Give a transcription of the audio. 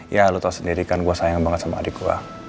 ya lo tahu sendiri kan gue sayang banget sama adik gue